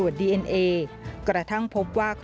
สุดท้าย